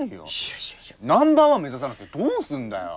ナンバーワン目指さなくてどうすんだよ。